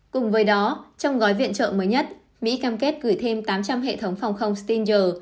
cùng với đó trong gói viện trợ mới nhất mỹ cam kết gửi thêm tám trăm linh hệ thống quân sự